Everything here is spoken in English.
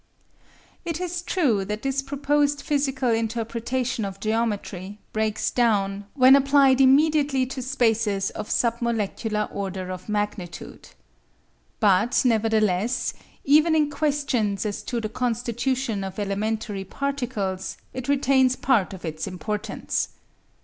It is true that this proposed physical interpretation of geometry breaks down when applied immediately to spaces of sub molecular order of magnitude. But nevertheless, even in questions as to the constitution of elementary particles, it retains part of its importance.